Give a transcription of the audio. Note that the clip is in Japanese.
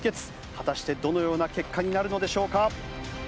果たしてどのような結果になるのでしょうか？